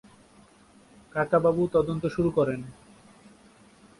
কাকাবাবু তদন্ত শুরু করেন।